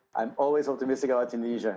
saya selalu bersemangat tentang indonesia